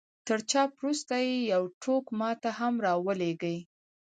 تر چاپ وروسته يې يو ټوک ما ته هم را ولېږئ.